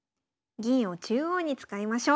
銀を中央に使いましょう。